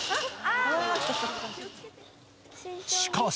しかし。